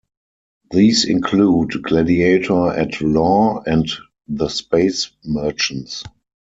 These include "Gladiator-At-Law" and "The Space Merchants".